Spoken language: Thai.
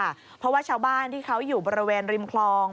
เพราะว่าชาวบ้านที่เขาอยู่บริเวณริมคลอง